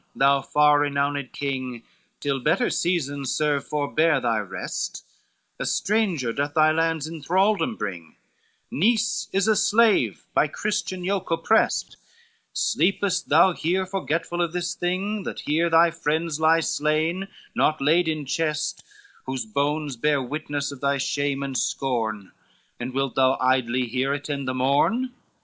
thou far renowned king, Till better season serve, forbear thy rest; A stranger doth thy lands in thraldom bring, Nice is a slave, by Christian yoke oppressed; Sleepest thou here, forgetful of this thing, That here thy friends lie slain, not laid in chest, Whose bones bear witness of thy shame and scorn! And wilt thou idly here attend the morn?"